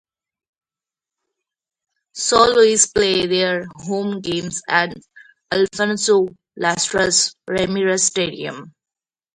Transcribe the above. San Luis play their home games at Alfonso Lastras Ramirez Stadium.